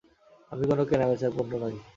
আমি কোন কেনাবেচার পণ্য নই।